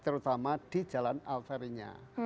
terutama di jalan alterinya